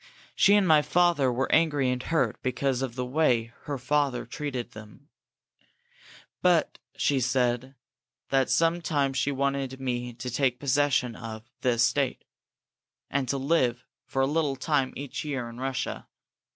She and my father were angry and hurt because of the way her family treated them, but she said that some time she wanted me to take possession of the estate, and to live for a little time each year in Russia.